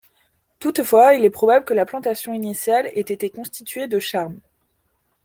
Toutefois, il est probable que la plantation initiale ait été constituée de charmes.